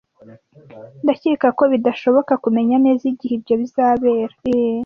Ndakeka ko bidashoboka kumenya neza igihe ibyo bizabera.